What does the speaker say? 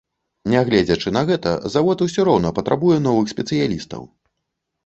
Нягледзячы на гэта, завод усё роўна патрабуе новых спецыялістаў.